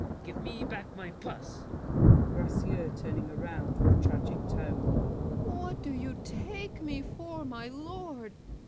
Give me back My purse! GRACIEUX (turning around, with tragic tone). What do you take me for, my lord?